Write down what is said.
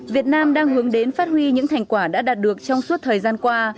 việt nam đang hướng đến phát huy những thành quả đã đạt được trong suốt thời gian qua